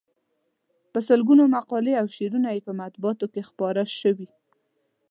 په سلګونو مقالې او شعرونه یې په مطبوعاتو کې خپاره شوي.